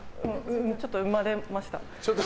ちょっと生まれました。